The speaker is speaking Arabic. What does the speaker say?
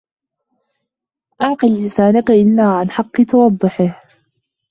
اعْقِلْ لِسَانَك إلَّا عَنْ حَقٍّ تُوَضِّحُهُ